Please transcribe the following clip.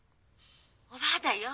おばぁだよ。